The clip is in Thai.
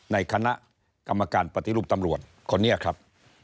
ในคณะกรรมการปฏิรูปตำรวจคนนี้ครับ